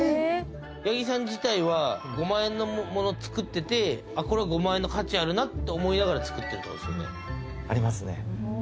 八木さん自体は５万円のもの作っててこれは５万円の価値あるなって思いながら作ってるってことですよね？